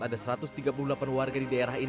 ada satu ratus tiga puluh delapan warga di daerah ini